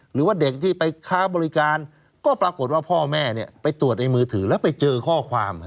หรือว่าเด็กที่ไปค้าบริการก็ปรากฏว่าพ่อแม่ไปตรวจในมือถือแล้วไปเจอข้อความ